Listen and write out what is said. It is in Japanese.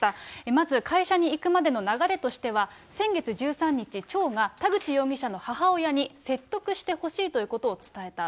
まず会社に行くまでの流れとしては、先月１３日、町が田口容疑者の母親に説得してほしいということを伝えた。